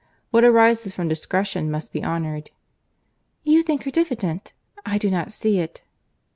What arises from discretion must be honoured." "You think her diffident. I do not see it."